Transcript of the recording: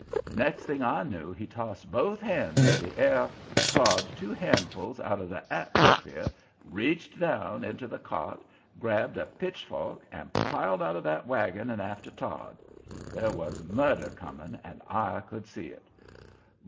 Next thing I knew he tossed both hands into the air, clawed two handfuls out of the atmosphere, reached down into the cart, grabbed a pitch fork and piled out of that wagon and after Todd. There was murder coming and I could see it.